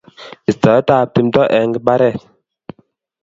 istaetap tumto eng imbaret